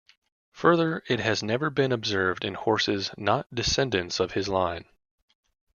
Further, it has never been observed in horses not descendants of his line.